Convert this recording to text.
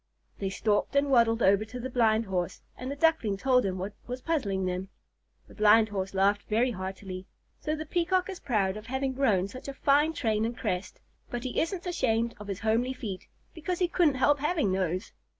They stalked and waddled over to the Blind Horse, and the Duckling told him what was puzzling them. The Blind Horse laughed very heartily. "So the Peacock is proud of having grown such a fine train and crest, but he isn't ashamed of his homely feet, because he couldn't help having those!